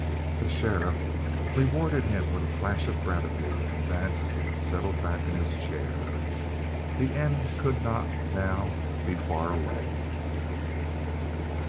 The sheriff rewarded him with a flash of gratitude, and Vance settled back in his chair. The end could not, now, be far away.